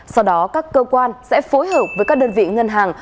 sau đó các cơ quan sẽ phối hợp với các đơn vị ngân hàng